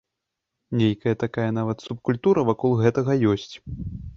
Нейкая такая нават субкультура вакол гэтага ёсць.